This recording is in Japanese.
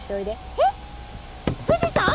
えっ藤さん